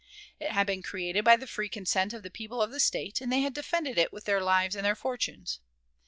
It had been created by the free consent of the people of the State, and they had defended it with their lives and their fortunes.